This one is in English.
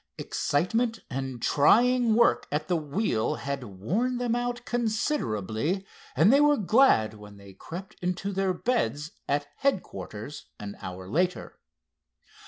Excitement and trying work at the wheel had worn them out considerably, and they were glad when they crept into their beds at headquarters an hour later.